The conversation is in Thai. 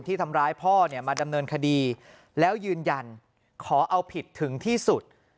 ทำร้ายพ่อเนี่ยมาดำเนินคดีแล้วยืนยันขอเอาผิดถึงที่สุด